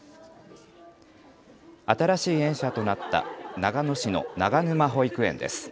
新しい園舎となった長野市の長沼保育園です。